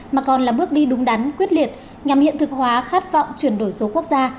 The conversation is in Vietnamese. mà còn là bước đi đúng đắn quyết liệt nhằm hiện thực hóa khát vọng chuyển đổi số quốc gia